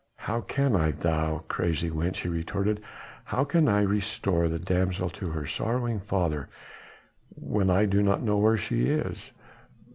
"How can I, thou crazy wench," he retorted, "how can I restore the damsel to her sorrowing father when I do not know where she is?"